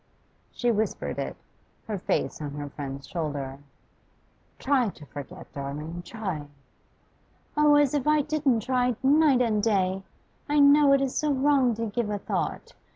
She whispered it, her face on her friend's shoulder. 'Try to forget, darling; try!' 'Oh, as if I didn't try night and day! I know it is so wrong to give a thought.